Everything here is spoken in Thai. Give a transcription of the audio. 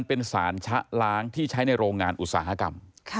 เป็นสารชะล้างที่ใช้ในโรงงานอุตสาหกรรม